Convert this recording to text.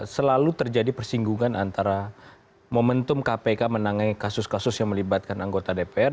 selalu terjadi persinggungan antara momentum kpk menangai kasus kasus yang melibatkan anggota dpr